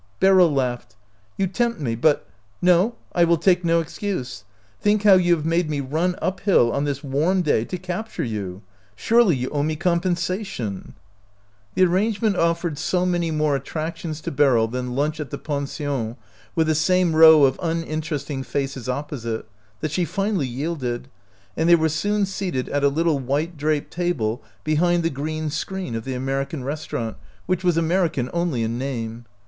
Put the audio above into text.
Beryl laughed. " You tempt me ; but —"" No, I will take no excuse. Think how you have made me run up hill on this warm day to capture you! Surely you owe me compensation !" 82 OUT OF BOHEMIA The arrangement offered so many more attractions to Beryl than lunch at the pension with the same row of uninteresting faces opposite, that she finally yielded, and they were soon seated at a little white draped table behind the green screen of the " American Restaurant" — which was Amer ican only in name.